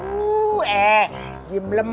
aduh eh gimblem